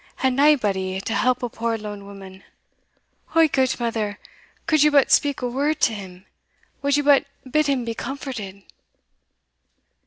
and naebody to help a poor lone woman O, gudemither, could ye but speak a word to him! wad ye but bid him be comforted!"